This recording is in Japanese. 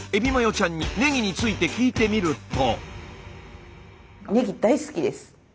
ちゃんにねぎについて聞いてみると。